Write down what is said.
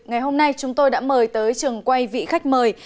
ngày hôm nay chúng tôi đã mời tới trường quay vị khách mời